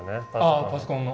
あパソコンの。